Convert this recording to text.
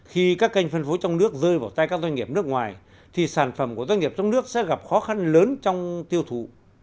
khi các kênh phân phối trong nước rơi vào tay các doanh nghiệp nước ngoài thì sản phẩm của doanh nghiệp trong nước sẽ gặp khó khăn lớn trong tiêu thụ